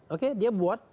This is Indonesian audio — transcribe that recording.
oke dia buat